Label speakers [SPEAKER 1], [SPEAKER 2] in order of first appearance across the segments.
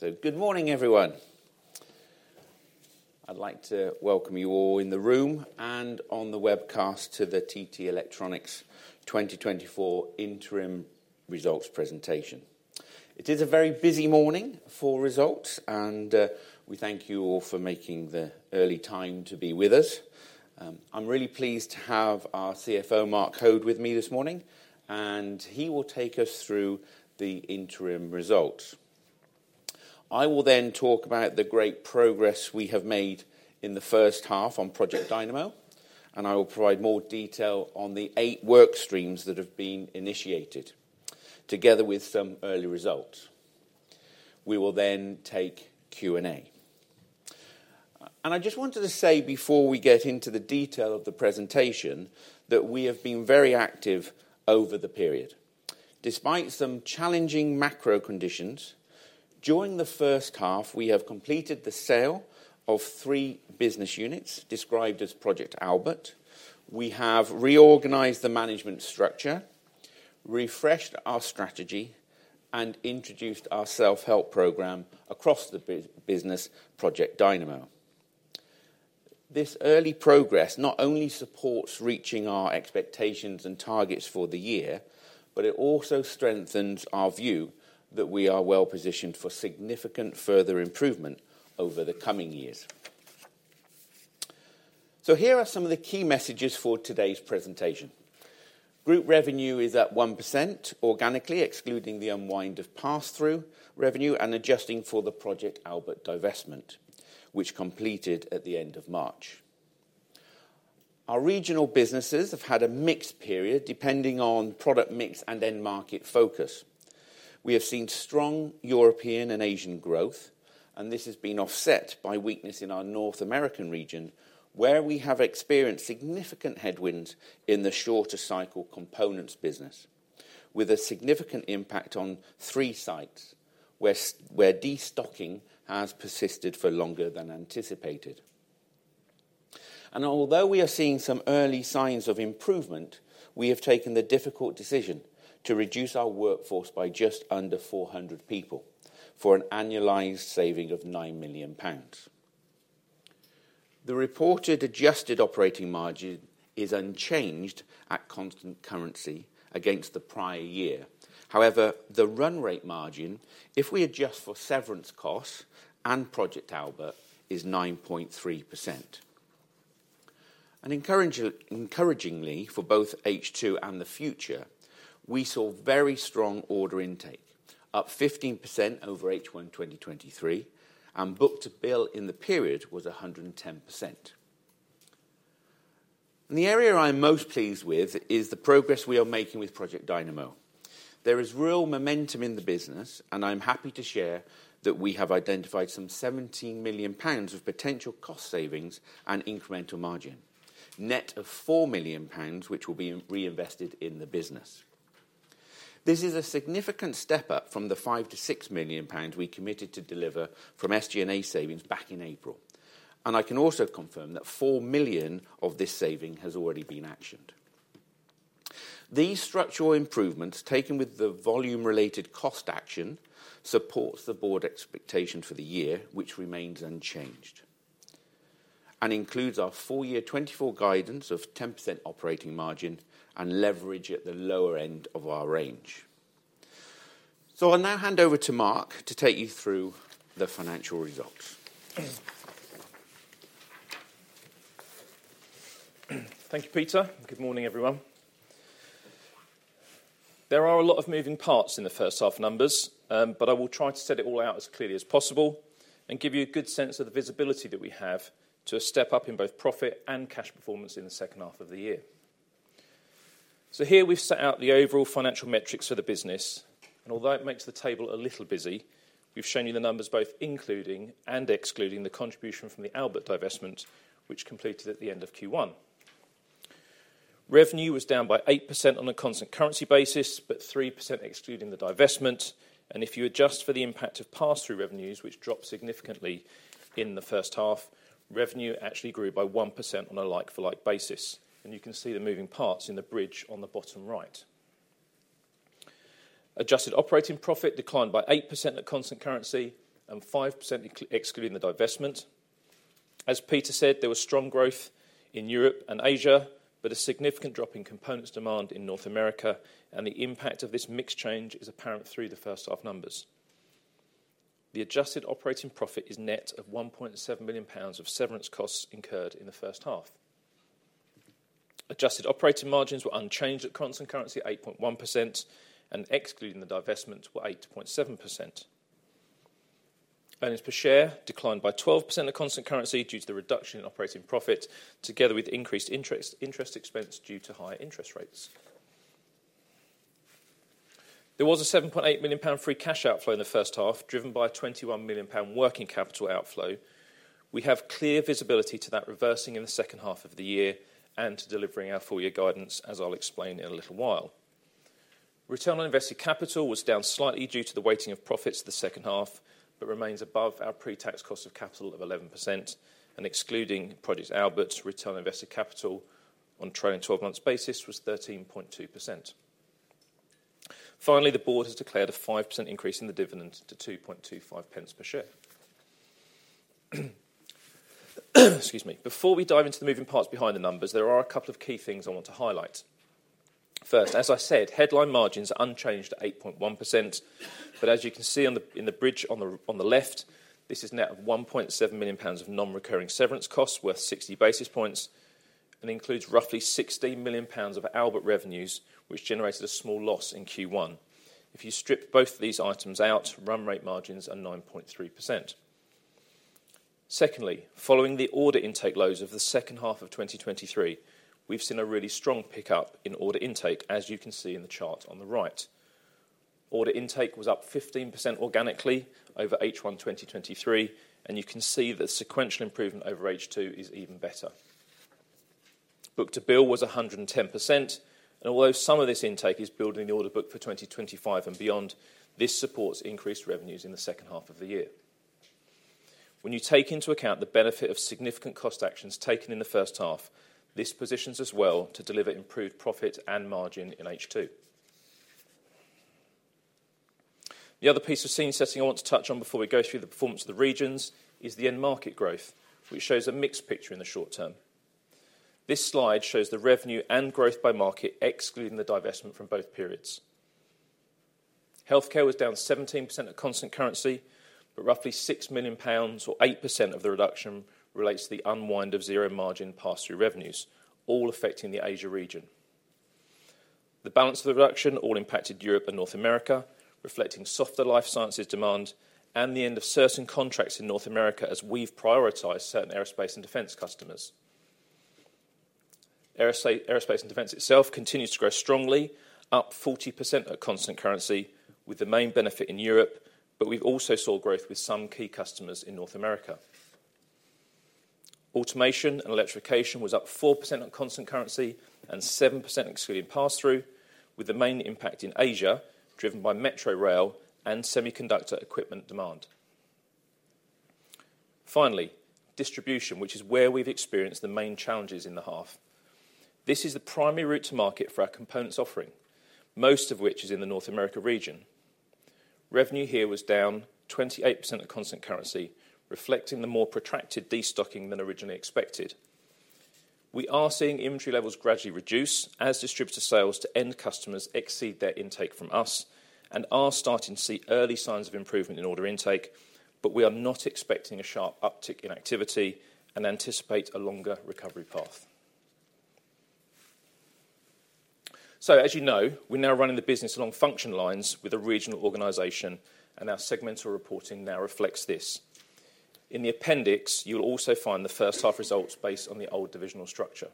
[SPEAKER 1] Good morning, everyone. I'd like to welcome you all in the room and on the webcast to the TT Electronics 2024 interim results presentation. It is a very busy morning for results, and we thank you all for making the early time to be with us. I'm really pleased to have our CFO, Mark Hoad, with me this morning, and he will take us through the interim results. I will then talk about the great progress we have made in the first half on Project Dynamo, and I will provide more detail on the eight work streams that have been initiated, together with some early results. We will then take Q&A. I just wanted to say, before we get into the detail of the presentation, that we have been very active over the period. Despite some challenging macro conditions, during the first half, we have completed the sale of three business units described as Project Albert. We have reorganized the management structure, refreshed our strategy, and introduced our self-help program across the business, Project Dynamo. This early progress not only supports reaching our expectations and targets for the year, but it also strengthens our view that we are well-positioned for significant further improvement over the coming years. So here are some of the key messages for today's presentation. Group revenue is at 1% organically, excluding the unwind of pass-through revenue and adjusting for the Project Albert divestment, which completed at the end of March. Our regional businesses have had a mixed period, depending on product mix and end market focus. We have seen strong European and Asian growth, and this has been offset by weakness in our North America region, where we have experienced significant headwinds in the shorter cycle components business, with a significant impact on three sites, where destocking has persisted for longer than anticipated. Although we are seeing some early signs of improvement, we have taken the difficult decision to reduce our workforce by just under 400 people for an annualized saving of 9 million pounds. The reported adjusted operating margin is unchanged at constant currency against the prior year. However, the run rate margin, if we adjust for severance costs and Project Albert, is 9.3%. Encouragingly, for both H2 and the future, we saw very strong order intake, up 15% over H1 2023, and book to bill in the period was 110%. The area I'm most pleased with is the progress we are making with Project Dynamo. There is real momentum in the business, and I'm happy to share that we have identified some 17 million pounds of potential cost savings and incremental margin, net of 4 million pounds, which will be reinvested in the business. This is a significant step up from the 5 million-6 million pounds we committed to deliver from SG&A savings back in April, and I can also confirm that 4 million of this saving has already been actioned. These structural improvements, taken with the volume-related cost action, supports the board expectation for the year, which remains unchanged, and includes our full year 2024 guidance of 10% operating margin and leverage at the lower end of our range. So I'll now hand over to Mark to take you through the financial results.
[SPEAKER 2] Thank you, Peter. Good morning, everyone. There are a lot of moving parts in the first half numbers, but I will try to set it all out as clearly as possible and give you a good sense of the visibility that we have to a step up in both profit and cash performance in the second half of the year. Here we've set out the overall financial metrics for the business, and although it makes the table a little busy, we've shown you the numbers, both including and excluding the contribution from the Albert divestment, which completed at the end of Q1. Revenue was down by 8% on a constant currency basis, but 3% excluding the divestment. If you adjust for the impact of pass-through revenues, which dropped significantly in the first half, revenue actually grew by 1% on a like-for-like basis, and you can see the moving parts in the bridge on the bottom right. Adjusted operating profit declined by 8% at constant currency and 5% excluding the divestment. As Peter said, there was strong growth in Europe and Asia, but a significant drop in components demand in North America, and the impact of this mix change is apparent through the first half numbers. The adjusted operating profit is net of 1.7 million pounds of severance costs incurred in the first half. Adjusted operating margins were unchanged at constant currency, 8.1%, and excluding the divestment, were 8.7%. Earnings per share declined by 12% of constant currency due to the reduction in operating profit, together with increased interest, interest expense due to higher interest rates. There was a 7.8 million pound free cash outflow in the first half, driven by a 21 million pound working capital outflow. We have clear visibility to that reversing in the second half of the year and to delivering our full year guidance, as I'll explain in a little while. Return on invested capital was down slightly due to the weighting of profits in the second half, but remains above our pre-tax cost of capital of 11%, and excluding Project Albert's return on invested capital on trailing 12 months basis was 13.2%. Finally, the board has declared a 5% increase in the dividend to 2.25 pence per share. Excuse me. Before we dive into the moving parts behind the numbers, there are a couple of key things I want to highlight. First, as I said, headline margin is unchanged at 8.1%, but as you can see in the bridge on the left, this is net of 1.7 million pounds of non-recurring severance costs worth 60 basis points, and includes roughly 60 million pounds of Albert revenues, which generated a small loss in Q1. If you strip both of these items out, run rate margins are 9.3%. Secondly, following the order intake lows of the second half of 2023, we've seen a really strong pickup in order intake, as you can see in the chart on the right. Order intake was up 15% organically over H1 2023, and you can see the sequential improvement over H2 is even better. Book to bill was 110%, and although some of this intake is building the order book for 2025 and beyond, this supports increased revenues in the second half of the year. When you take into account the benefit of significant cost actions taken in the first half, this positions us well to deliver improved profit and margin in H2. The other piece of scene setting I want to touch on before we go through the performance of the regions, is the end market growth, which shows a mixed picture in the short term. This slide shows the revenue and growth by market, excluding the divestment from both periods. Healthcare was down 17% at constant currency, but roughly 6 million pounds or 8% of the reduction relates to the unwind of zero margin pass-through revenues, all affecting the Asia region. The balance of the reduction all impacted Europe and North America, reflecting softer life sciences demand and the end of certain contracts in North America as we've prioritized certain aerospace and defense customers. Aerospace, aerospace and defense itself continues to grow strongly, up 40% at constant currency, with the main benefit in Europe, but we've also saw growth with some key customers in North America. Automation and electrification was up 4% at constant currency and 7% excluding pass-through, with the main impact in Asia, driven by metro rail and semiconductor equipment demand. Finally, distribution, which is where we've experienced the main challenges in the half. This is the primary route to market for our components offering, most of which is in the North America region. Revenue here was down 28% at constant currency, reflecting the more protracted destocking than originally expected. We are seeing inventory levels gradually reduce as distributor sales to end customers exceed their intake from us and are starting to see early signs of improvement in order intake, but we are not expecting a sharp uptick in activity and anticipate a longer recovery path. So as you know, we're now running the business along function lines with a regional organization, and our segmental reporting now reflects this. In the appendix, you'll also find the first half results based on the old divisional structure.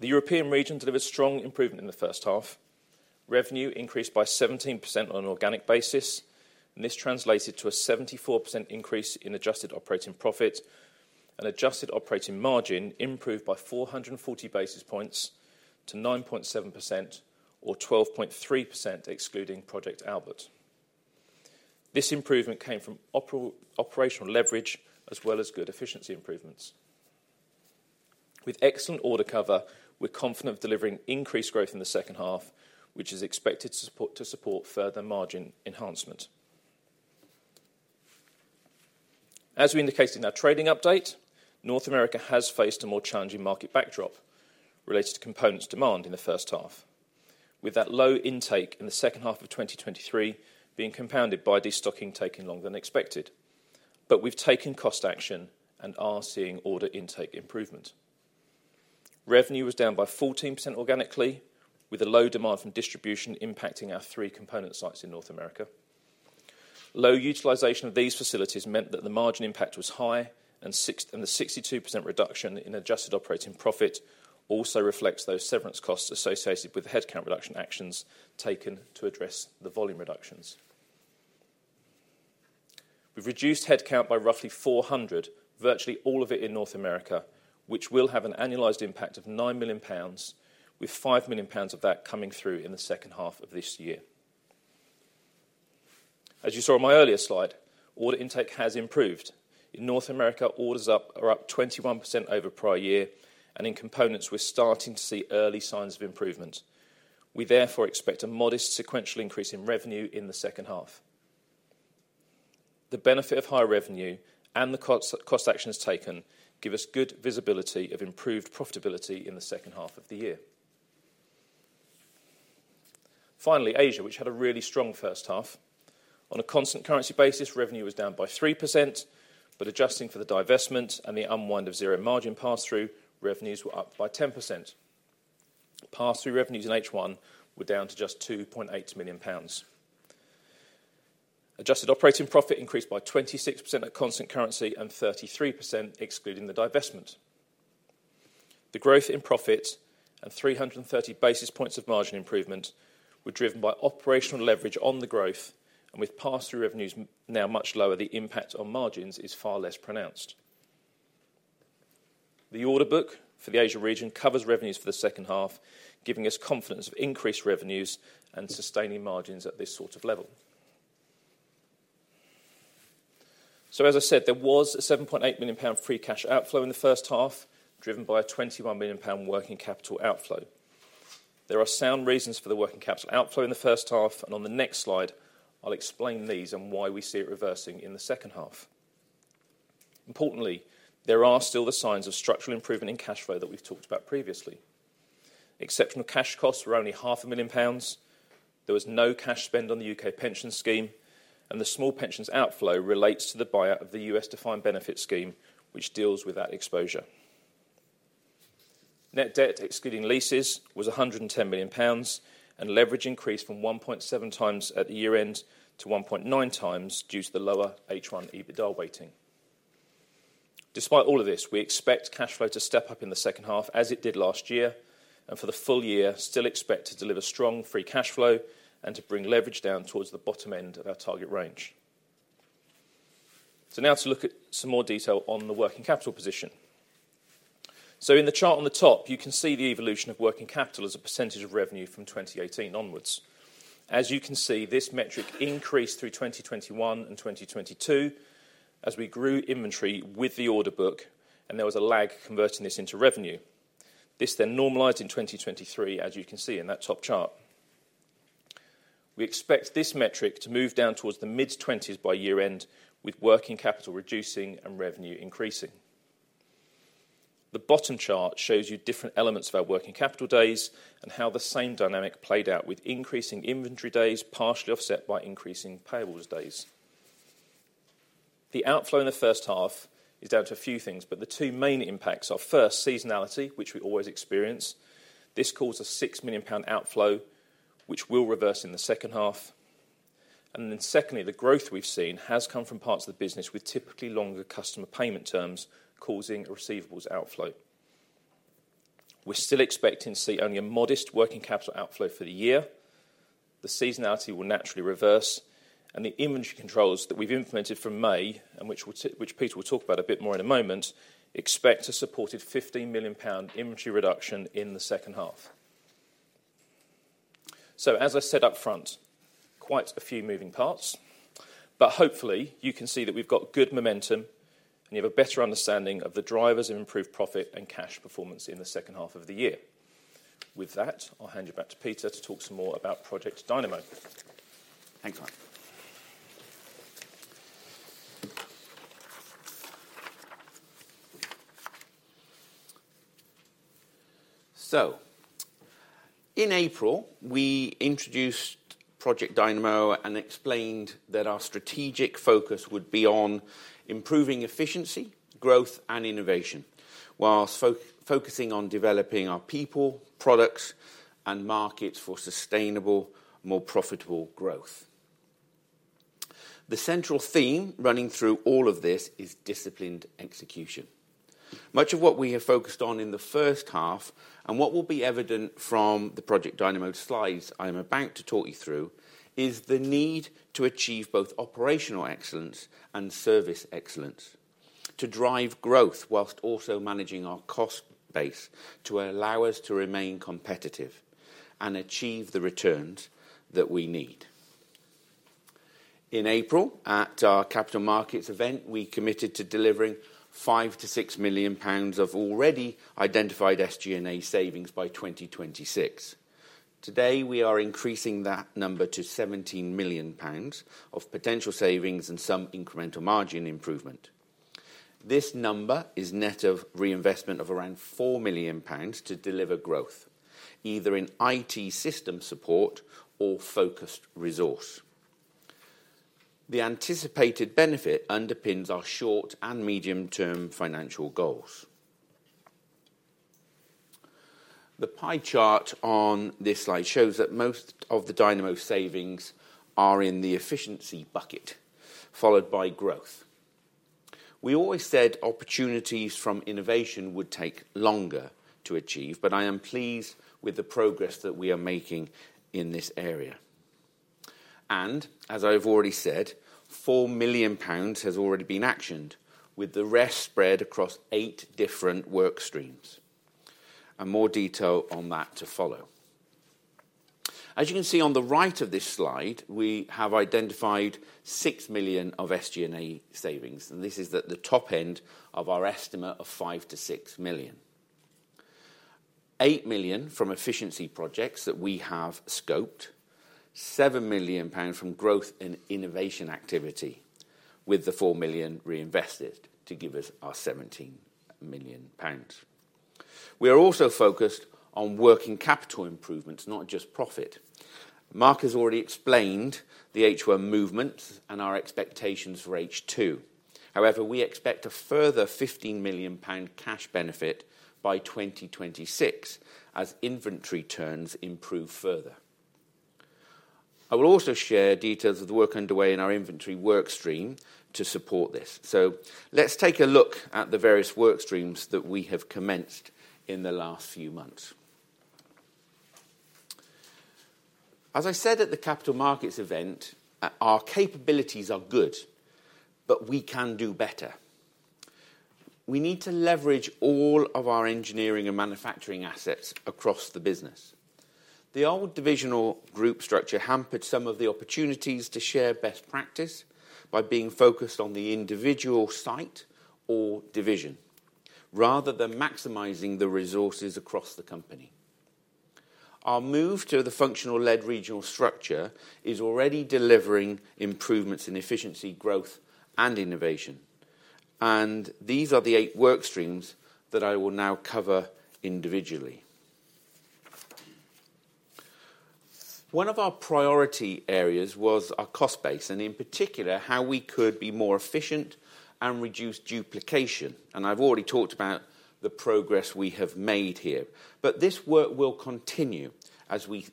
[SPEAKER 2] The European region delivered strong improvement in the first half. Revenue increased by 17% on an organic basis, and this translated to a 74% increase in adjusted operating profit, and adjusted operating margin improved by 440 basis points to 9.7% or 12.3%, excluding Project Albert. This improvement came from operational leverage, as well as good efficiency improvements. With excellent order cover, we're confident of delivering increased growth in the second half, which is expected to support, to support further margin enhancement. As we indicated in our trading update, North America has faced a more challenging market backdrop related to components demand in the first half, with that low intake in the second half of 2023 being compounded by destocking taking longer than expected. But we've taken cost action and are seeing order intake improvement. Revenue was down by 14% organically, with a low demand from distribution impacting our three component sites in North America. Low utilization of these facilities meant that the margin impact was high, and the 62% reduction in adjusted operating profit also reflects those severance costs associated with the headcount reduction actions taken to address the volume reductions. We've reduced headcount by roughly 400, virtually all of it in North America, which will have an annualized impact of 9 million pounds, with 5 million pounds of that coming through in the second half of this year. As you saw on my earlier slide, order intake has improved. In North America, orders up, are up 21% over prior year, and in components, we're starting to see early signs of improvement. We therefore expect a modest sequential increase in revenue in the second half. The benefit of higher revenue and the cost actions taken give us good visibility of improved profitability in the second half of the year. Finally, Asia, which had a really strong first half. On a constant currency basis, revenue was down by 3%, but adjusting for the divestment and the unwind of zero margin pass-through, revenues were up by 10%. Pass-through revenues in H1 were down to just 2.8 million pounds. Adjusted operating profit increased by 26% at constant currency and 33% excluding the divestment. The growth in profit and 330 basis points of margin improvement were driven by operational leverage on the growth, and with pass-through revenues now much lower, the impact on margins is far less pronounced. The order book for the Asia region covers revenues for the second half, giving us confidence of increased revenues and sustaining margins at this sort of level. So as I said, there was a 7.8 million pound free cash outflow in the first half, driven by a 21 million pound working capital outflow. There are sound reasons for the working capital outflow in the first half, and on the next slide, I'll explain these and why we see it reversing in the second half. Importantly, there are still the signs of structural improvement in cash flow that we've talked about previously. Exceptional cash costs were only 500,000 pounds. There was no cash spend on the U.K. pension scheme, and the small pensions outflow relates to the buyout of the U.S. defined benefit scheme, which deals with that exposure. Net debt, excluding leases, was 110 million pounds, and leverage increased from 1.7x at the year-end to 1.9x due to the lower H1 EBITDA weighting. Despite all of this, we expect cash flow to step up in the second half, as it did last year, and for the full year, still expect to deliver strong free cash flow and to bring leverage down towards the bottom end of our target range. So now to look at some more detail on the working capital position. So in the chart on the top, you can see the evolution of working capital as a percentage of revenue from 2018 onwards. As you can see, this metric increased through 2021 and 2022 as we grew inventory with the order book, and there was a lag converting this into revenue. This then normalised in 2023, as you can see in that top chart. We expect this metric to move down towards the mid-20s by year-end, with working capital reducing and revenue increasing. The bottom chart shows you different elements of our working capital days and how the same dynamic played out, with increasing inventory days partially offset by increasing payables days. The outflow in the first half is down to a few things, but the two main impacts are, first, seasonality, which we always experience. This caused a 6 million pound outflow, which will reverse in the second half. And then secondly, the growth we've seen has come from parts of the business with typically longer customer payment terms, causing a receivables outflow. We're still expecting to see only a modest working capital outflow for the year. The seasonality will naturally reverse, and the inventory controls that we've implemented from May, and which we'll, which Peter will talk about a bit more in a moment, expect a supported 15 million pound inventory reduction in the second half. So, as I said up front, quite a few moving parts, but hopefully you can see that we've got good momentum, and you have a better understanding of the drivers of improved profit and cash performance in the second half of the year. With that, I'll hand you back to Peter to talk some more about Project Dynamo.
[SPEAKER 1] In April, we introduced Project Dynamo and explained that our strategic focus would be on improving efficiency, growth, and innovation, whilst focusing on developing our people, products, and markets for sustainable, more profitable growth. The central theme running through all of this is disciplined execution. Much of what we have focused on in the first half, and what will be evident from the Project Dynamo slides I'm about to talk you through, is the need to achieve both operational excellence and service excellence, to drive growth whilst also managing our cost base to allow us to remain competitive and achieve the returns that we need. In April, at our capital markets event, we committed to delivering 5 million-6 million pounds of already identified SG&A savings by 2026. Today, we are increasing that number to 17 million pounds of potential savings and some incremental margin improvement. This number is net of reinvestment of around 4 million pounds to deliver growth, either in IT system support or focused resource. The anticipated benefit underpins our short and medium-term financial goals. The pie chart on this slide shows that most of the Dynamo savings are in the efficiency bucket, followed by growth. We always said opportunities from innovation would take longer to achieve, but I am pleased with the progress that we are making in this area. As I've already said, 4 million pounds has already been actioned, with the rest spread across eight different work streams. More detail on that to follow. As you can see on the right of this slide, we have identified 6 million of SG&A savings, and this is at the top end of our estimate of 5 million- 6 million. 8 million from efficiency projects that we have scoped, 7 million pounds from growth and innovation activity, with the 4 million reinvested to give us our 17 million pounds. We are also focused on working capital improvements, not just profit. Mark has already explained the H1 movements and our expectations for H2. However, we expect a further GBP 15 million cash benefit by 2026 as inventory turns improve further. I will also share details of the work underway in our inventory work stream to support this. So let's take a look at the various work streams that we have commenced in the last few months. As I said at the capital markets event, our capabilities are good, but we can do better. We need to leverage all of our engineering and manufacturing assets across the business. The old divisional group structure hampered some of the opportunities to share best practice by being focused on the individual site or division, rather than maximizing the resources across the company. Our move to the functional-led regional structure is already delivering improvements in efficiency, growth, and innovation, and these are the eight work streams that I will now cover individually. One of our priority areas was our cost base, and in particular, how we could be more efficient and reduce duplication, and I've already talked about the progress we have made here. But this work will continue as we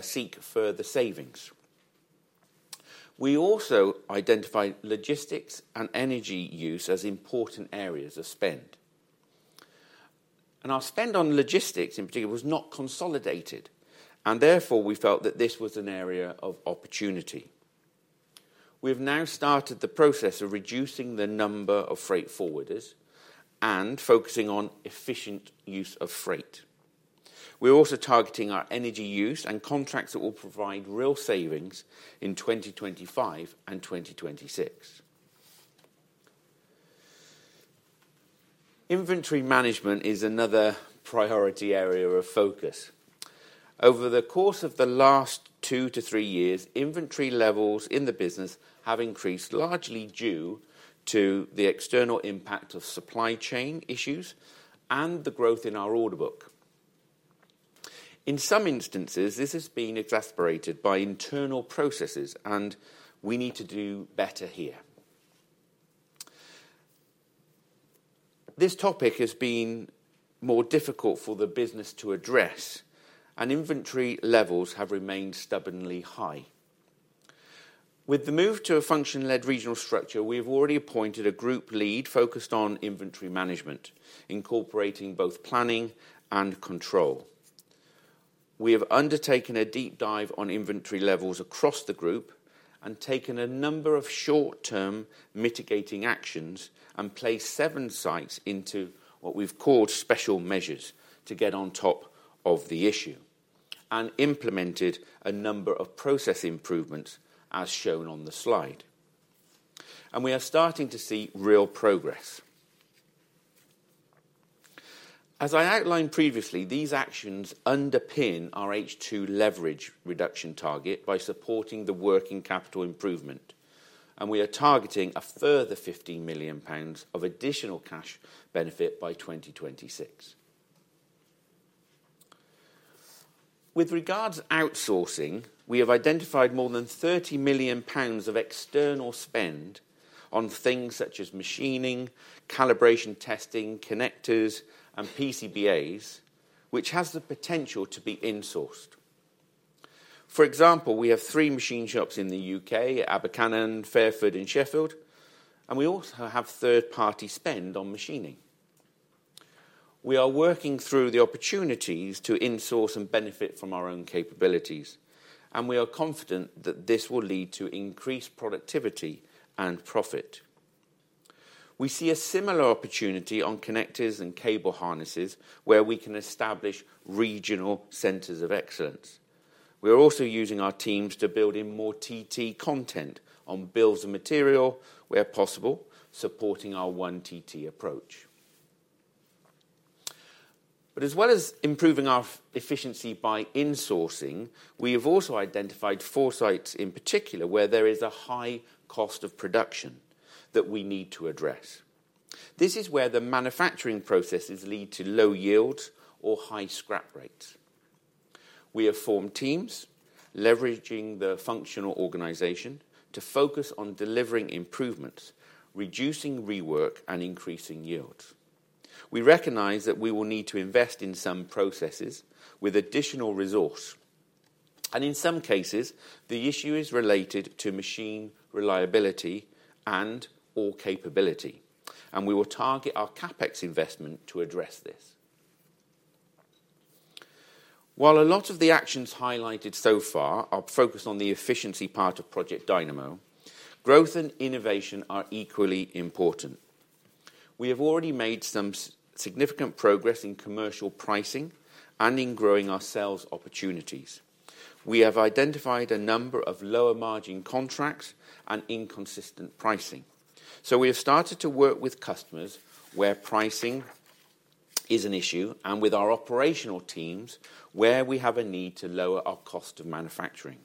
[SPEAKER 1] seek further savings. We also identified logistics and energy use as important areas of spend. Our spend on logistics, in particular, was not consolidated, and therefore, we felt that this was an area of opportunity. We've now started the process of reducing the number of freight forwarders and focusing on efficient use of freight. We're also targeting our energy use and contracts that will provide real savings in 2025 and 2026. Inventory management is another priority area of focus. Over the course of the last two to three years, inventory levels in the business have increased, largely due to the external impact of supply chain issues and the growth in our order book. In some instances, this has been exacerbated by internal processes, and we need to do better here. This topic has been more difficult for the business to address, and inventory levels have remained stubbornly high. The move to a function-led regional structure, we have already appointed a group lead focused on inventory management, incorporating both planning and control. We have undertaken a deep dive on inventory levels across the group and taken a number of short-term mitigating actions and placed seven sites into what we've called special measures to get on top of the issue, and implemented a number of process improvements, as shown on the slide. We are starting to see real progress. As I outlined previously, these actions underpin our H2 leverage reduction target by supporting the working capital improvement, and we are targeting a further 50 million pounds of additional cash benefit by 2026. With regards outsourcing, we have identified more than 30 million pounds of external spend on things such as machining, calibration testing, connectors, and PCBAs, which has the potential to be insourced. For example, we have three machine shops in the U.K., Abercynon, Fairford, and Sheffield, and we also have third-party spend on machining. We are working through the opportunities to insource and benefit from our own capabilities, and we are confident that this will lead to increased productivity and profit. We see a similar opportunity on connectors and cable harnesses, where we can establish regional centers of excellence. We are also using our teams to build in more TT content on bills and material, where possible, supporting our one TT approach. But as well as improving our efficiency by insourcing, we have also identified four sites, in particular, where there is a high cost of production that we need to address. This is where the manufacturing processes lead to low yields or high scrap rates. We have formed teams leveraging the functional organization to focus on delivering improvements, reducing rework, and increasing yields. We recognize that we will need to invest in some processes with additional resource, and in some cases, the issue is related to machine reliability and/or capability, and we will target our CapEx investment to address this. While a lot of the actions highlighted so far are focused on the efficiency part of Project Dynamo, growth and innovation are equally important. We have already made some significant progress in commercial pricing and in growing our sales opportunities. We have identified a number of lower-margin contracts and inconsistent pricing. We have started to work with customers where pricing is an issue and with our operational teams, where we have a need to lower our cost of manufacturing.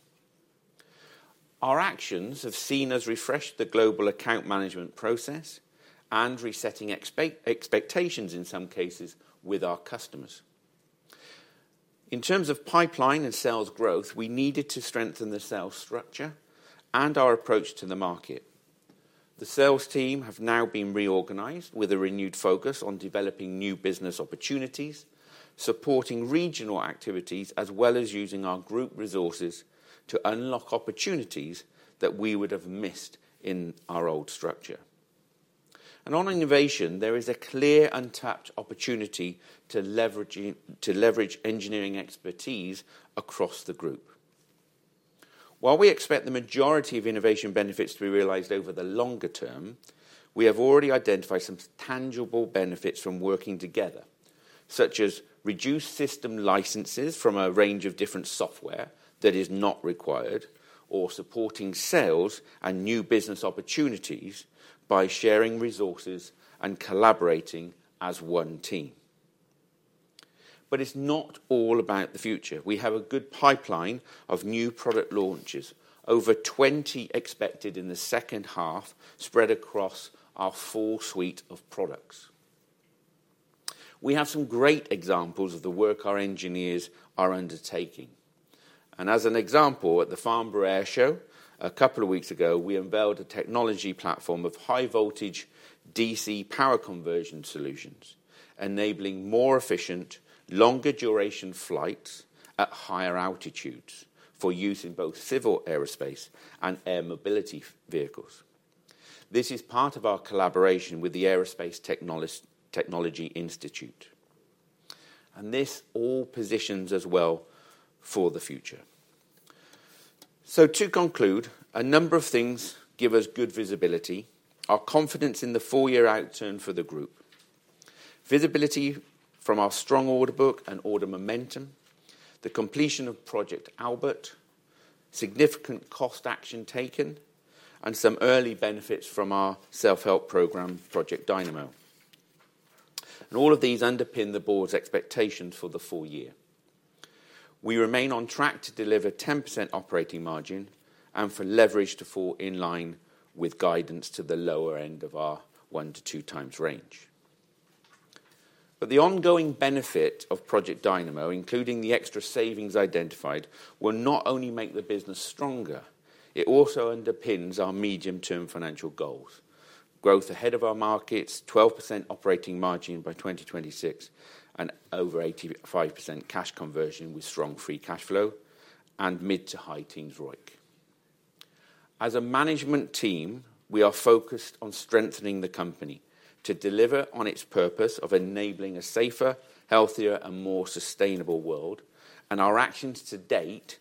[SPEAKER 1] Our actions have seen us refresh the global account management process and resetting expectations, in some cases, with our customers. In terms of pipeline and sales growth, we needed to strengthen the sales structure and our approach to the market. The sales team have now been reorganized with a renewed focus on developing new business opportunities, supporting regional activities, as well as using our group resources to unlock opportunities that we would have missed in our old structure. On innovation, there is a clear, untapped opportunity to leverage engineering expertise across the group. While we expect the majority of innovation benefits to be realized over the longer term, we have already identified some tangible benefits from working together, such as reduced system licenses from a range of different software that is not required, or supporting sales and new business opportunities by sharing resources and collaborating as one team. But it's not all about the future. We have a good pipeline of new product launches, over 20 expected in the second half, spread across our full suite of products. We have some great examples of the work our engineers are undertaking, and as an example, at the Farnborough Airshow a couple of weeks ago, we unveiled a technology platform of high-voltage DC power conversion solutions, enabling more efficient, longer duration flights at higher altitudes for use in both civil aerospace and air mobility vehicles. This is part of our collaboration with the Aerospace Technology Institute, and this all positions us well for the future. So to conclude, a number of things give us good visibility: our confidence in the full-year outturn for the group, visibility from our strong order book and order momentum, the completion of Project Albert, significant cost action taken, and some early benefits from our self-help program, Project Dynamo. And all of these underpin the board's expectations for the full year. We remain on track to deliver 10% operating margin and for leverage to fall in line with guidance to the lower end of our 1-2x range. But the ongoing benefit of Project Dynamo, including the extra savings identified, will not only make the business stronger, it also underpins our medium-term financial goals. Growth ahead of our markets, 12% operating margin by 2026, and over 85% cash conversion with strong free cash flow, and mid- to high-teens ROIC. As a management team, we are focused on strengthening the company to deliver on its purpose of enabling a safer, healthier, and more sustainable world, and our actions to date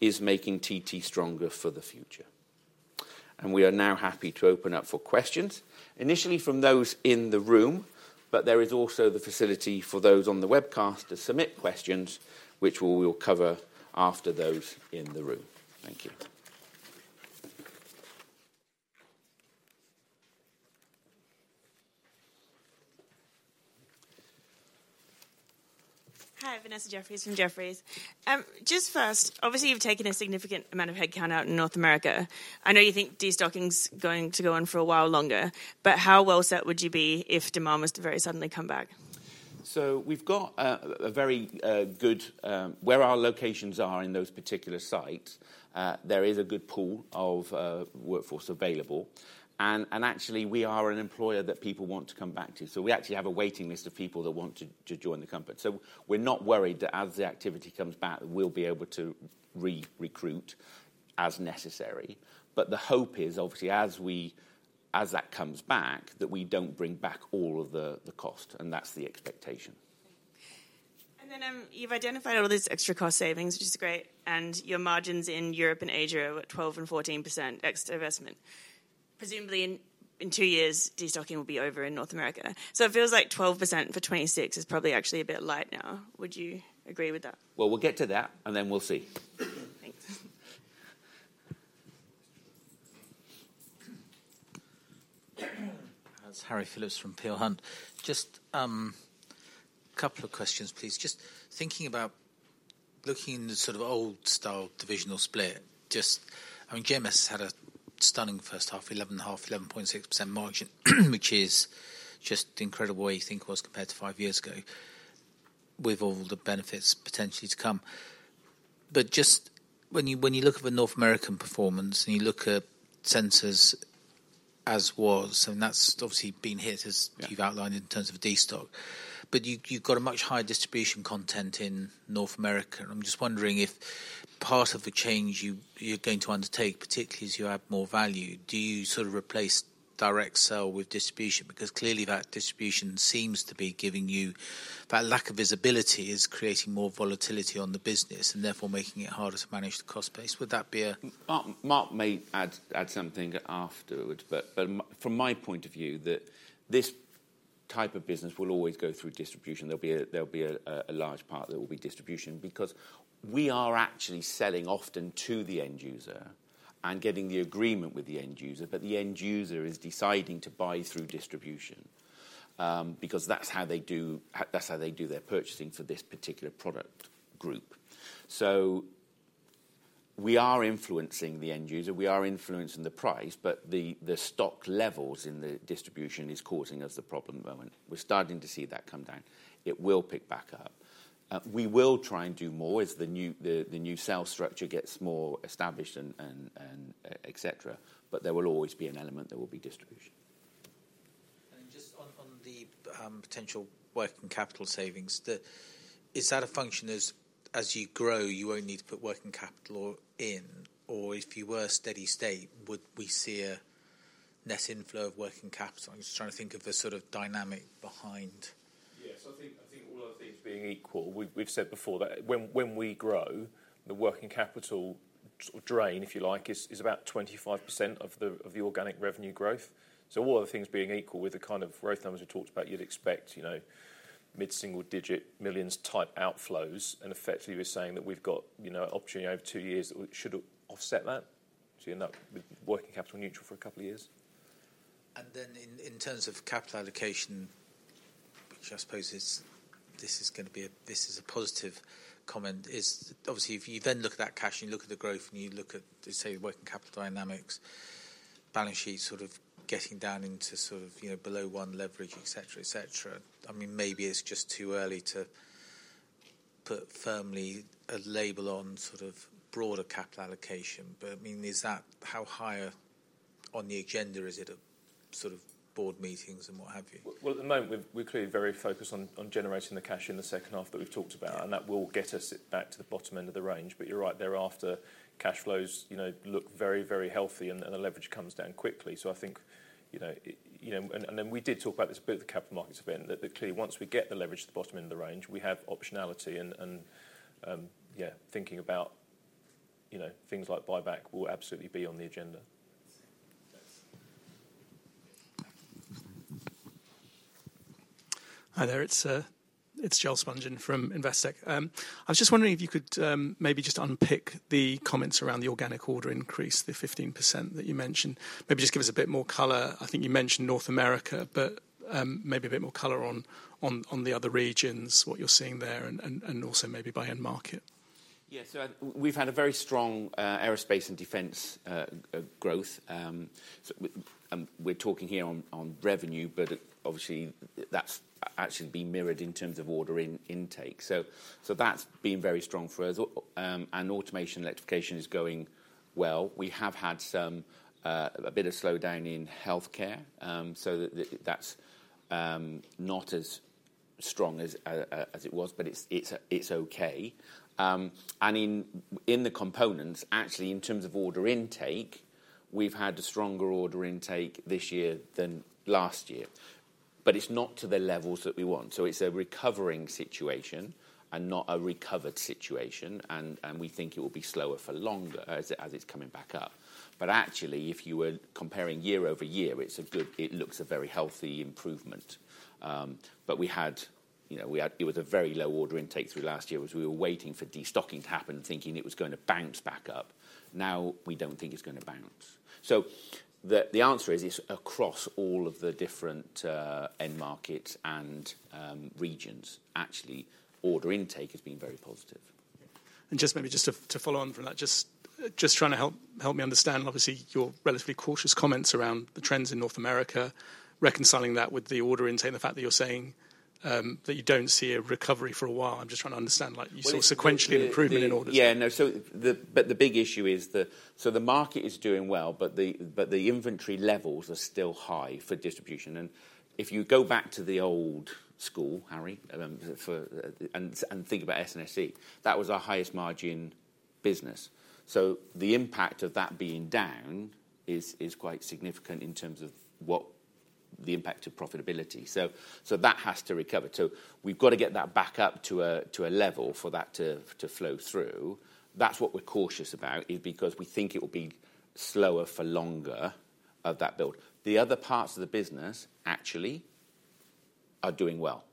[SPEAKER 1] is making TT stronger for the future. We are now happy to open up for questions, initially from those in the room, but there is also the facility for those on the webcast to submit questions, which we will cover after those in the room. Thank you.
[SPEAKER 3] Hi, Vanessa Jeffriess from Jefferies. Just first, obviously, you've taken a significant amount of headcount out in North America. I know you think destocking is going to go on for a while longer, but how well set would you be if demand was to very suddenly come back?
[SPEAKER 1] We've got a very good... Where our locations are in those particular sites, there is a good pool of workforce available, and actually, we are an employer that people want to come back to. So we actually have a waiting list of people that want to join the company. So we're not worried that as the activity comes back, we'll be able to re-recruit as necessary. But the hope is, obviously, as that comes back, that we don't bring back all of the cost, and that's the expectation.
[SPEAKER 3] And then, you've identified all of these extra cost savings, which is great, and your margins in Europe and Asia are at 12% and 14% ex divestment. Presumably, in two years, destocking will be over in North America. So it feels like 12% for 2026 is probably actually a bit light now. Would you agree with that?
[SPEAKER 1] Well, we'll get to that, and then we'll see.
[SPEAKER 3] Thanks.
[SPEAKER 4] It's Harry Philips from Peel Hunt. Just a couple of questions, please. Just thinking about looking at the sort of old-style divisional split, just. I mean, GMS had a stunning first half, 11.5%, 11.6% margin, which is just incredible what you think it was compared to five years ago, with all the benefits potentially to come. But just when you, when you look at the North American performance and you look at sensors as was, and that's obviously been hit, as-
[SPEAKER 1] Yeah
[SPEAKER 4] You've outlined in terms of destock, but you've got a much higher distribution content in North America. I'm just wondering if part of the change you're going to undertake, particularly as you add more value, do you sort of replace direct sale with distribution? Because clearly, that distribution seems to be giving you that lack of visibility is creating more volatility on the business and therefore making it harder to manage the cost base. Would that be a-
[SPEAKER 1] Mark may add something afterwards, but from my point of view, that this type of business will always go through distribution. There'll be a large part that will be distribution because we are actually selling often to the end user and getting the agreement with the end user, but the end user is deciding to buy through distribution, because that's how they do their purchasing for this particular product group. So we are influencing the end user, we are influencing the price, but the stock levels in the distribution is causing us the problem at the moment. We're starting to see that come down. It will pick back up. We will try and do more as the new sales structure gets more established and et cetera, but there will always be an element that will be distribution.
[SPEAKER 4] And just on the potential working capital savings. Is that a function as you grow, you won't need to put working capital in, or if you were steady state, would we see a net inflow of working capital? I'm just trying to think of the sort of dynamic behind.
[SPEAKER 2] Yes, I think all other things being equal, we've said before that when we grow, the working capital sort of drain, if you like, is about 25% of the organic revenue growth. So all other things being equal, with the kind of growth numbers we talked about, you'd expect, you know, mid-single-digit millions-type outflows, and effectively we're saying that we've got, you know, opportunity over two years that should offset that. So you end up with working capital neutral for a couple of years.
[SPEAKER 4] Then in terms of capital allocation, which I suppose is a positive comment, is obviously, if you then look at that cash, and you look at the growth, and you look at, say, the working capital dynamics, balance sheet sort of getting down into sort of, you know, below one leverage, et cetera, et cetera. I mean, maybe it's just too early to put firmly a label on sort of broader capital allocation, but, I mean, is that how high up on the agenda is it at sort of board meetings and what have you?
[SPEAKER 2] Well, at the moment, we're clearly very focused on generating the cash in the second half that we've talked about, and that will get us back to the bottom end of the range. But you're right, thereafter, cash flows, you know, look very, very healthy, and the leverage comes down quickly. So I think, you know, you know. And then we did talk about this a bit at the capital markets event, that clearly, once we get the leverage to the bottom end of the range, we have optionality, and, and yeah, thinking about, you know, things like buyback will absolutely be on the agenda.
[SPEAKER 4] Thanks.
[SPEAKER 5] Hi there, it's Charles Spungin from Investec. I was just wondering if you could maybe just unpick the comments around the organic order increase, the 15% that you mentioned. Maybe just give us a bit more color. I think you mentioned North America, but maybe a bit more color on the other regions, what you're seeing there, and also maybe by end market.
[SPEAKER 1] Yeah, so we've had a very strong aerospace and defense growth. We're talking here on revenue, but obviously, that's actually been mirrored in terms of order intake. So that's been very strong for us, and automation and electrification is going well. We have had some a bit of slowdown in healthcare, so that's not as strong as it was, but it's okay. And in the components, actually, in terms of order intake, we've had a stronger order intake this year than last year, but it's not to the levels that we want. So it's a recovering situation and not a recovered situation, and we think it will be slower for longer as it's coming back up. Actually, if you were comparing year-over-year, it's a good. It looks a very healthy improvement. But we had, you know, we had. It was a very low order intake through last year as we were waiting for destocking to happen, thinking it was going to bounce back up. Now, we don't think it's going to bounce. So the answer is across all of the different end markets and regions, actually, order intake has been very positive.
[SPEAKER 5] Just maybe to follow on from that, just trying to help me understand, obviously, your relatively cautious comments around the trends in North America, reconciling that with the order intake, the fact that you're saying that you don't see a recovery for a while. I'm just trying to understand, like, you saw sequentially an improvement in orders.
[SPEAKER 1] Yeah, I know. So the big issue is the. So the market is doing well, but the inventory levels are still high for distribution. And if you go back to the old school, Harry, and think about S&SC, that was our highest margin business. So the impact of that being down is quite significant in terms of what the impact of profitability. So that has to recover. So we've got to get that back up to a level for that to flow through. That's what we're cautious about, is because we think it will be slower for longer of that build. The other parts of the business actually are doing well,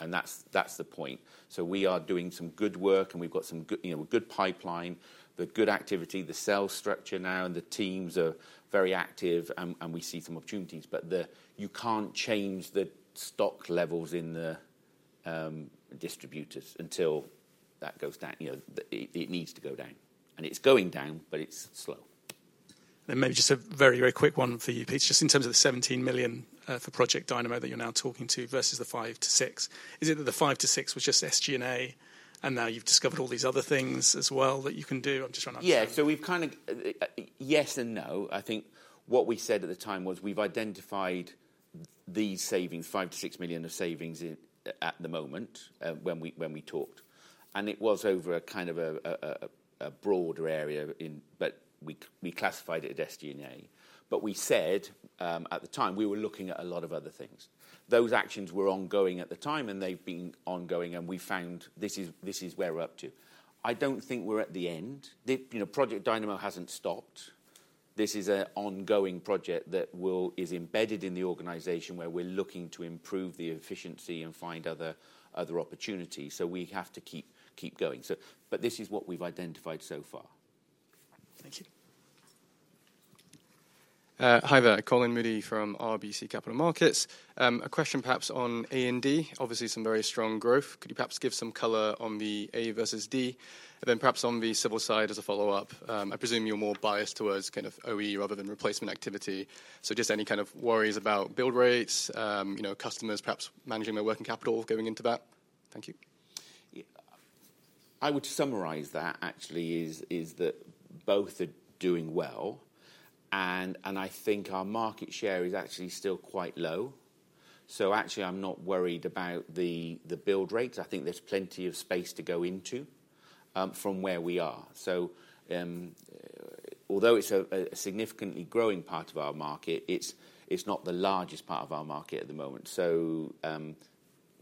[SPEAKER 1] and that's the point. We are doing some good work, and we've got some good, you know, good pipeline, the good activity, the sales structure now, and the teams are very active, and we see some opportunities. But you can't change the stock levels in the distributors until that goes down. You know, it needs to go down, and it's going down, but it's slow.
[SPEAKER 5] Maybe just a very, very quick one for you, Pete. Just in terms of the 17 million for Project Dynamo that you're now talking to versus the 5 million-6 million, is it that the 5 million-6 million was just SG&A, and now you've discovered all these other things as well that you can do? I'm just trying to understand.
[SPEAKER 1] Yeah. So we've kind of, yes and no. I think what we said at the time was we've identified these savings, 5 million-6 million of savings at the moment, when we talked, and it was over a kind of a broader area in but we classified it as SG&A. But we said, at the time, we were looking at a lot of other things. Those actions were ongoing at the time, and they've been ongoing, and we found this is where we're up to. I don't think we're at the end. You know, Project Dynamo hasn't stopped. This is an ongoing project that is embedded in the organization, where we're looking to improve the efficiency and find other opportunities, so we have to keep going. This is what we've identified so far.
[SPEAKER 5] Thank you.
[SPEAKER 6] Hi there, Colin Moody from RBC Capital Markets. A question perhaps on A&D. Obviously, some very strong growth. Could you perhaps give some color on the A versus D? And then perhaps on the civil side, as a follow-up, I presume you're more biased towards kind of OE rather than replacement activity. So just any kind of worries about build rates, you know, customers perhaps managing their working capital going into that? Thank you.
[SPEAKER 1] Yeah. I would summarize that actually is that both are doing well, and I think our market share is actually still quite low. So actually, I'm not worried about the build rates. I think there's plenty of space to go into from where we are. So although it's a significantly growing part of our market, it's not the largest part of our market at the moment, so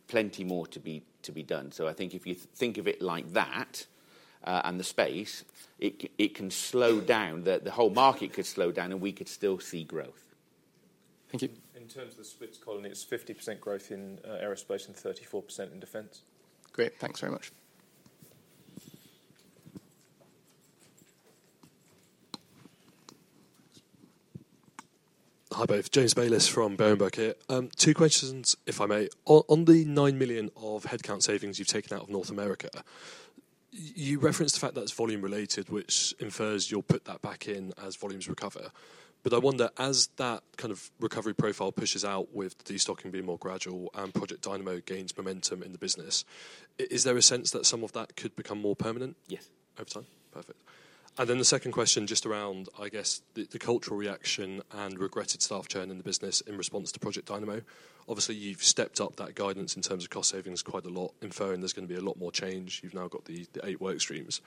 [SPEAKER 1] plenty more to be done. So I think if you think of it like that, and the space, it can slow down. The whole market could slow down, and we could still see growth.
[SPEAKER 6] Thank you.
[SPEAKER 2] In terms of the splits, Colin, it's 50% growth in aerospace and 34% in defense.
[SPEAKER 6] Great, thanks very much.
[SPEAKER 7] Hi, both. James Bayliss from Berenberg here. Two questions, if I may. On the 9 million of headcount savings you've taken out of North America, you referenced the fact that it's volume related, which infers you'll put that back in as volumes recover. But I wonder, as that kind of recovery profile pushes out with the stocking being more gradual and Project Dynamo gains momentum in the business, is there a sense that some of that could become more permanent?
[SPEAKER 1] Yes.
[SPEAKER 7] Over time? Perfect. Then the second question, just around, I guess, the cultural reaction and regretted staff churn in the business in response to Project Dynamo. Obviously, you've stepped up that guidance in terms of cost savings quite a lot, inferring there's gonna be a lot more change. You've now got the eight work streams.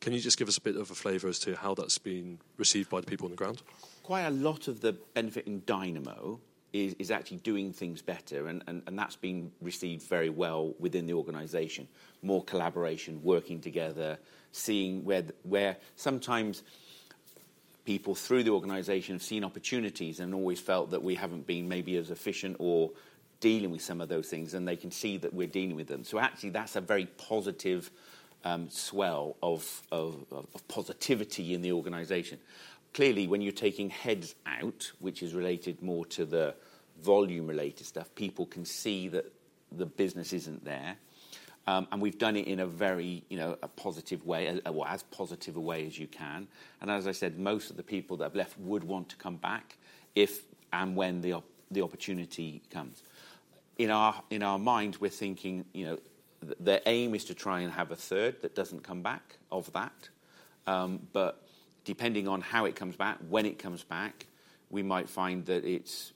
[SPEAKER 7] Can you just give us a bit of a flavor as to how that's been received by the people on the ground?
[SPEAKER 1] Quite a lot of the benefit in Dynamo is actually doing things better, and that's been received very well within the organization. More collaboration, working together, seeing where sometimes people through the organization have seen opportunities and always felt that we haven't been maybe as efficient or dealing with some of those things, and they can see that we're dealing with them. So actually, that's a very positive swell of positivity in the organization. Clearly, when you're taking heads out, which is related more to the volume-related stuff, people can see that the business isn't there. And we've done it in a very, you know, a positive way, well, as positive a way as you can, and as I said, most of the people that have left would want to come back if and when the opportunity comes. In our minds, we're thinking, you know, the aim is to try and have a third that doesn't come back of that. But depending on how it comes back, when it comes back, we might find that it's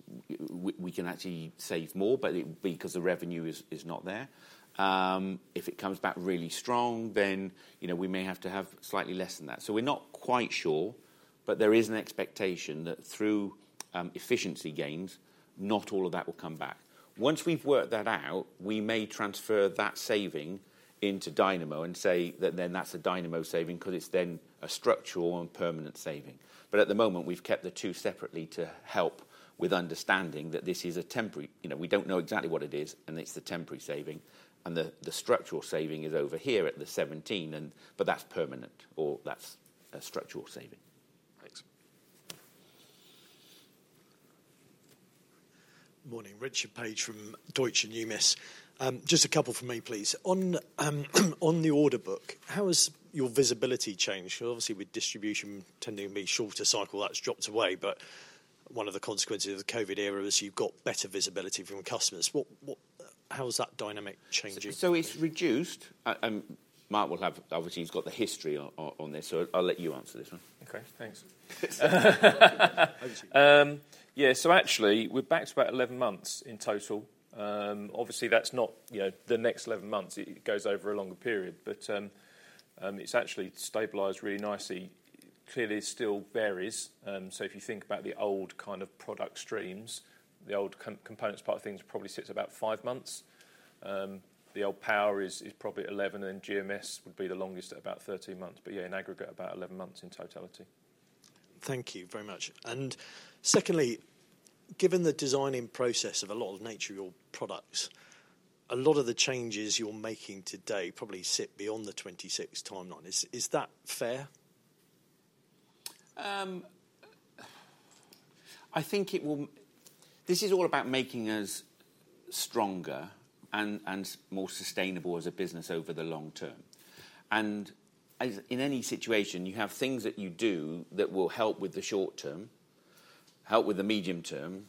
[SPEAKER 1] we can actually save more, but it—because the revenue is not there. If it comes back really strong, then, you know, we may have to have slightly less than that. So we're not quite sure, but there is an expectation that through efficiency gains, not all of that will come back. Once we've worked that out, we may transfer that saving into Dynamo and say that then that's a Dynamo saving 'cause it's then a structural and permanent saving. But at the moment, we've kept the two separately to help with understanding that this is a temporary you know, we don't know exactly what it is, and it's a temporary saving, and the structural saving is over here at the 17, and but that's permanent or that's a structural saving.
[SPEAKER 7] Thanks.
[SPEAKER 8] Morning. Richard Page from Deutsche Numis. Just a couple from me, please. On the order book, how has your visibility changed? Obviously, with distribution tending to be shorter cycle, that's dropped away, but one of the consequences of the COVID era was you've got better visibility from customers. What, how is that dynamic changing?
[SPEAKER 1] So it's reduced. Mark will have obviously, he's got the history on this, so I'll let you answer this one.
[SPEAKER 2] Okay, thanks. Yeah, so actually, we're back to about 11 months in total. Obviously, that's not, you know, the next 11 months. It goes over a longer period, but it's actually stabilised really nicely. Clearly, it still varies. So if you think about the old kind of product streams, the old components part of things probably sits about five months. The old power is probably 11, and GMS would be the longest at about 13 months. But yeah, in aggregate, about 11 months in totality.
[SPEAKER 8] Thank you very much. And secondly, given the designing process of a lot of the nature of your products, a lot of the changes you're making today probably sit beyond the 2026 timeline. Is that fair?
[SPEAKER 1] I think it will. This is all about making us stronger and, and more sustainable as a business over the long term. As in any situation, you have things that you do that will help with the short term, help with the medium term,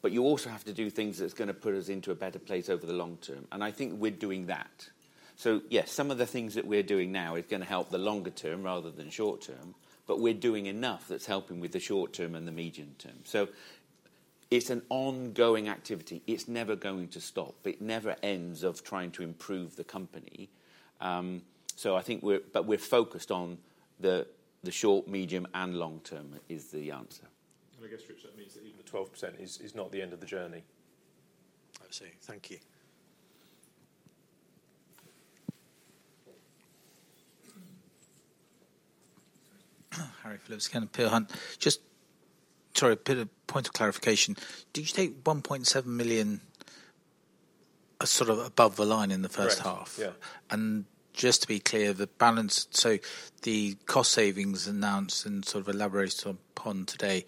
[SPEAKER 1] but you also have to do things that's gonna put us into a better place over the long term, and I think we're doing that. So yes, some of the things that we're doing now is gonna help the longer term rather than short term, but we're doing enough that's helping with the short term and the medium term. So it's an ongoing activity. It's never going to stop. It never ends of trying to improve the company. So I think we're but we're focused on the, the short, medium, and long term, is the answer.
[SPEAKER 2] I guess, Richard, that means that even the 12% is not the end of the journey.
[SPEAKER 8] I see. Thank you.
[SPEAKER 4] Harry Philips, Peel Hunt. Just... Sorry, a bit of point of clarification. Did you take 1.7 million, sort of above the line in the first half?
[SPEAKER 2] Correct, yeah.
[SPEAKER 4] Just to be clear, the balance, so the cost savings announced and sort of elaborated upon today,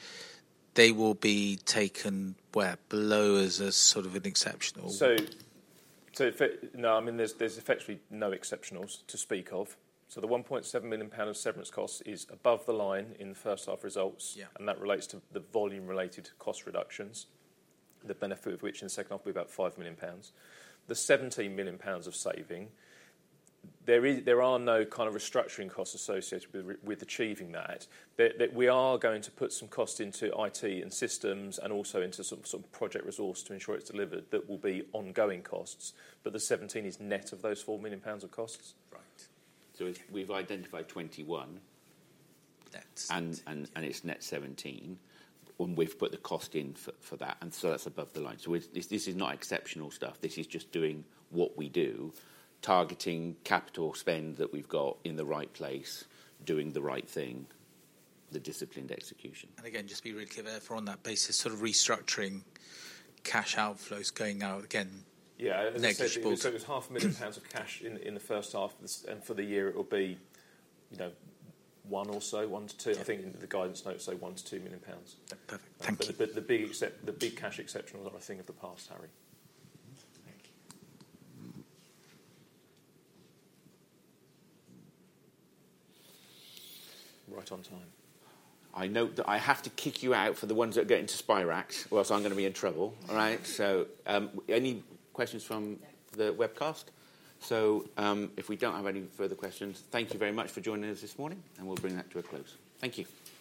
[SPEAKER 4] they will be taken where? Below as a sort of an exceptional.
[SPEAKER 2] No, I mean, there's effectively no exceptionals to speak of. So the 1.7 million pound of severance costs is above the line in the first half results-
[SPEAKER 8] Yeah.
[SPEAKER 2] That relates to the volume-related cost reductions, the benefit of which in the second half will be about 5 million pounds. The 17 million pounds of saving, there are no kind of restructuring costs associated with achieving that. But we are going to put some cost into IT and systems and also into some project resource to ensure it's delivered that will be ongoing costs, but the seventeen is net of those 4 million pounds of costs.
[SPEAKER 4] Right.
[SPEAKER 1] So we've identified 21-
[SPEAKER 4] Net.
[SPEAKER 1] And it's net 17, and we've put the cost in for that, and so that's above the line. So this is not exceptional stuff. This is just doing what we do, targeting capital spend that we've got in the right place, doing the right thing, the disciplined execution.
[SPEAKER 4] And again, just to be really clear, therefore, on that basis, sort of restructuring cash outflows going out again.
[SPEAKER 2] Yeah.
[SPEAKER 4] Negative-
[SPEAKER 2] So it was 0.5 million pounds of cash in, in the first half of this, and for the year, it will be, you know, 1 million-2 million. I think the guidance notes say 1 million-2 million pounds.
[SPEAKER 4] Perfect. Thank you.
[SPEAKER 2] The big cash exceptionals are a thing of the past, Harry.
[SPEAKER 4] Thank you.
[SPEAKER 2] Right on time.
[SPEAKER 1] I know that I have to kick you out for the ones that get into Spirax, or else I'm gonna be in trouble, all right? So, any questions from the webcast? So, if we don't have any further questions, thank you very much for joining us this morning, and we'll bring that to a close. Thank you.